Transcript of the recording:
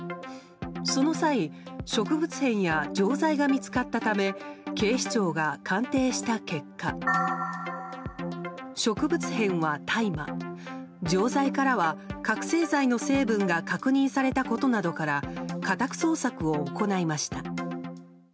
その際、植物片や錠剤が見つかったため警視庁が鑑定した結果植物片は大麻錠剤からは覚醒剤の成分が確認されたことなどから家宅捜索を行いました。